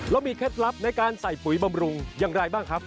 แล้วมีเคล็ดลับในการใส่ปุ๋ยบำรุงอย่างไรบ้างครับ